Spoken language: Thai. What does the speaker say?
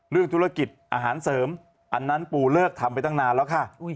เรื่องธุรกิจอาหารเสริมอันนั้นปูเลิกทำไปตั้งนานแล้วค่ะ